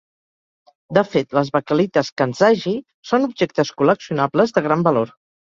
De fet, les baquelites kanzashi són objectes col·leccionables de gran valor.